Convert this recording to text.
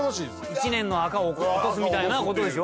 １年の垢を落とすみたいなことでしょ？